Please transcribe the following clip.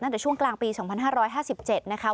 ตั้งแต่ช่วงกลางปี๒๕๕๗นะคะ